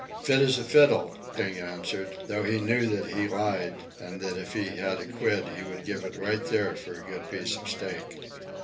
"Fit as a fiddle," King answered, though he knew that he lied, and that if he had a quid, he would give it right there for a good piece of steak.